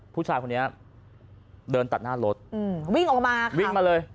ผู้ชายคนนี้เดินตัดหน้ารถอืมวิ่งออกมาวิ่งมาเลย